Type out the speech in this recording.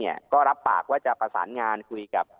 ก็รับปากว่าจะประสานงานคุยกับ